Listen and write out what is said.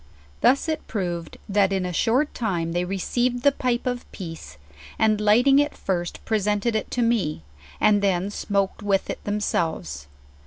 "Thus it proved that in a short time they received the pipe of peace, and lighting it first presented it to me, and then smoked with it themselves.